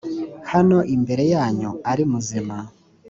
hano imbere yanyu ari muzima